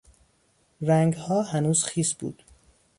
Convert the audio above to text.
رنگها هنوز خیس بود.